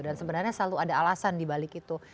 dan sebenarnya selalu ada alasan dibalik itu